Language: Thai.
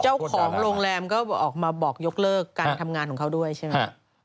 เจ้าของโรงแรมก็ออกมาบอกยกเลิกการทำงานของเขาด้วยใช่ไหม